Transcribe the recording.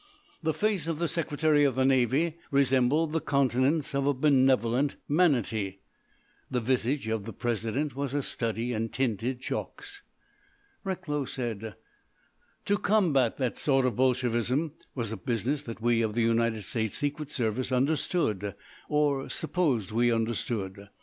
The face of the Secretary of the Navy resembled the countenance of a benevolent manatee. The visage of the President was a study in tinted chalks. Recklow said: "To combat that sort of Bolshevism was a business that we of the United States Secret Service understood—or supposed we understood.